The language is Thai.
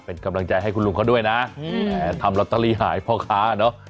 เป็นกำลังใจให้คุณลุงเขาด้วยนะแหมทำลอตเตอรี่หายพ่อค้าเนอะ